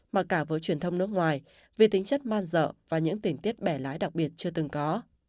mà cả với truyền thông nước ngoài vì tính chất man dợ và những tình tiết bẻ lái đặc biệt chưa từng có